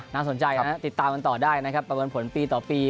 น่าสนใจครับติดตามกันต่อได้นะครับประเมินผลปีต่อปี